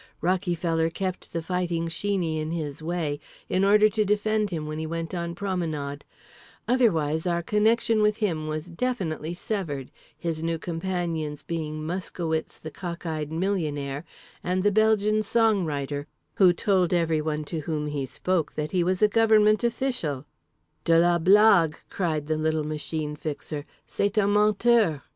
Rockyfeller kept The Fighting Sheeney in his way, in order to defend him when he went on promenade; otherwise our connection with him was definitely severed, his new companions being Muskowitz the Cock eyed Millionaire, and The Belgian Song Writer—who told everyone to whom he spoke that he was a government official ("de la blague" cried the little Machine Fixer, "_c'est un menteur!